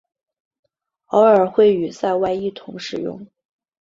偶尔会与塞外一同使用。